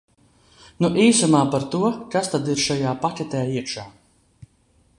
Nu, īsumā par to, kas tad ir šajā paketē iekšā.